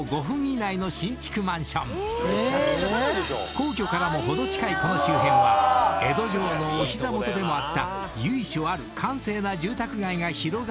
［皇居からも程近いこの周辺は江戸城のお膝元でもあった由緒ある閑静な住宅街が広がる地域］